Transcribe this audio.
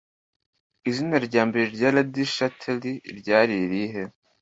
Izina rya mbere rya Lady Chatterly ryari irihe?